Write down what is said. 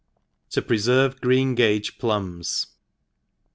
liopreferve Green Ga6e Plums.